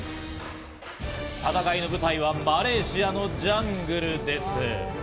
戦いの舞台は、マレーシアのジャングルです。